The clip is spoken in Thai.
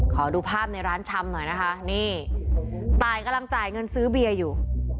ขอดูภาพในร้านชำหน่อยนะคะนี่ตายกำลังจ่ายเงินซื้อเบียร์อยู่